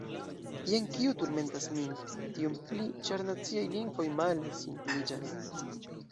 Jen kio turmentas min, tiom pli, ĉar naciaj lingvoj male – simpliĝas.